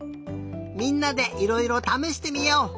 みんなでいろいろためしてみよう！